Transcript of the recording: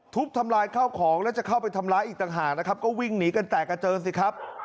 ทุบทำลายข้าวของแล้วจะเข้าไปทำร้ายอีกต่างหากนะครับก็วิ่งหนีกันแตกกระเจิงสิครับ